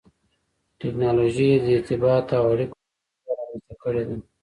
ټکنالوجي د ارتباط او اړیکو اسانتیا رامنځته کړې ده.